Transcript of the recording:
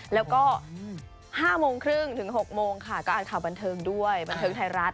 แล้วก็๕โมงครึ่งถึง๖โมงค่ะก็อ่านข่าวบันเทิงด้วยบันเทิงไทยรัฐ